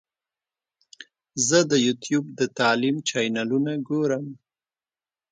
زه د یوټیوب د تعلیم چینلونه ګورم.